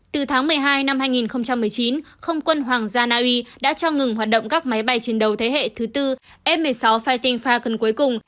từ tháng một mươi hai năm hai nghìn một mươi chín không quân hoàng gia na uy đã cho ngừng hoạt động các máy bay chiến đấu thế hệ thứ tư f một mươi sáu fighting falcon cuối cùng